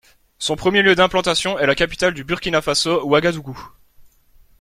Son premier lieu d'implantation est la capitale du Burkina Faso, Ouagadougou.